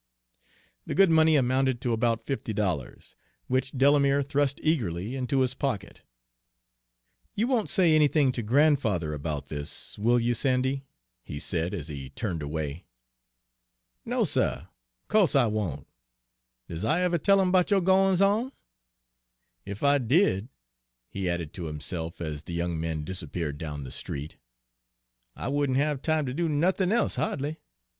The good money amounted to about fifty dollars, which Delamere thrust eagerly into his pocket. "You won't say anything to grandfather about this, will you, Sandy," he said, as he turned away. "No, suh, co'se I won't! Does I ever tell 'im 'bout yo' gwines on? Ef I did," he added to himself, as the young man disappeared down the street, "I wouldn' have time ter do nothin' e'se ha'dly.